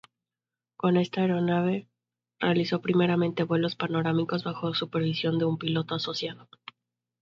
Con esta aeronave realizó primeramente vuelos panorámicos bajo supervisión de un piloto asociado.